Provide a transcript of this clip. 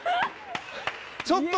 ちょっと！